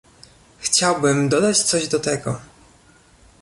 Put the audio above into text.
Chciałbym dodać coś do tego